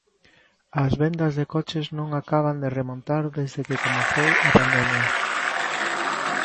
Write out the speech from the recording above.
As vendas de coches non acaban de remontar desde que comezou a pandemia.